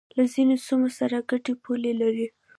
له ځینو سیمو سره گډې پولې لري